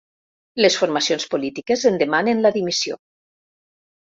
Les formacions polítiques en demanen la dimissió.